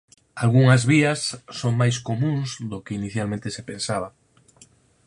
Algunhas vías son máis comúns do que inicialmente se pensaba.